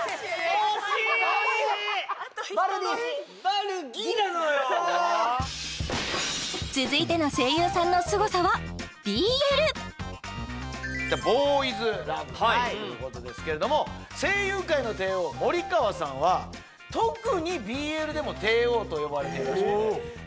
惜しい「バルギ」なのよ続いての声優さんのスゴさはＢＬボーイズラブということですけれども声優界の帝王森川さんは特にＢＬでも帝王と呼ばれているらしくて・そうなんですか？